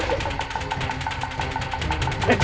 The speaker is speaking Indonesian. nggak usah panik ya